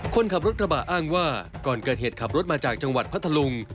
คนขับรถกระบะอ้างว่าก่อนเกิดเหตุขับรถมาจากจังหวัดพัทธลุง